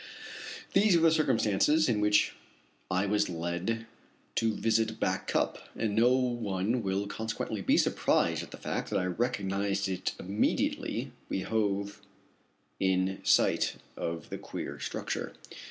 These were the circumstances in which I was led to visit Back Cup, and no one will consequently be surprised at the fact that I recognized it immediately we hove in sight of the queer structure.